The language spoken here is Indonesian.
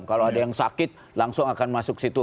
kalau ada yang sakit langsung akan masuk situ